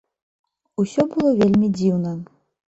Усё было вельмі дзіўна.